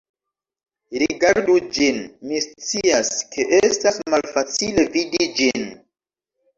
Rigardu ĝin, mi scias, ke estas malfacile vidi ĝin